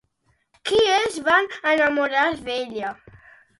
Qui es va enamorar d'ella?